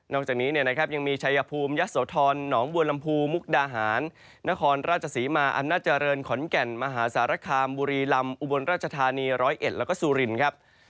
นอกจากนี้นะครับยังมีชัยภูมิยัสโธรหนองบวนลำพูมุกดาหารนครราชสีมาอันนาจริย์ขอนแก่นมหาสารคามบุรีลำอุบวนราชธานีร้อยเอ็ดแล้วก็สูรินครับ